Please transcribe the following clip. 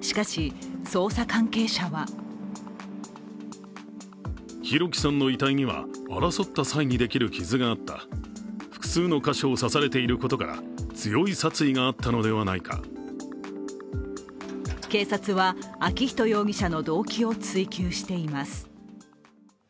しかし、捜査関係者は警察は、昭仁容疑者の動機を追及しています。